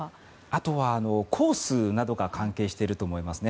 あとはコースなどが関係していると思いますね。